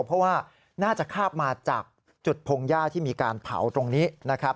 เพราะว่าน่าจะคาบมาจากจุดพงหญ้าที่มีการเผาตรงนี้นะครับ